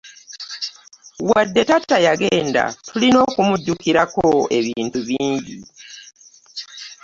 Wadde taata yagenda tulina okumujukirako ebintu bingi.